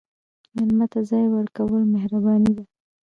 مېلمه ته ځای ورکول مهرباني ده.